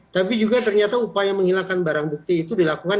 tapi juga ternyata upaya menghilangkan barang bukti itu dilakukan